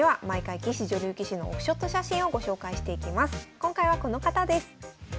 今回はこの方です。